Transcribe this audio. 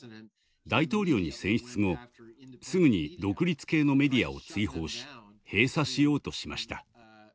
大統領に選出後すぐに独立系のメディアを追放し閉鎖しようとしました。